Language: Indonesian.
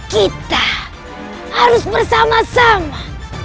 kita harus bersama sama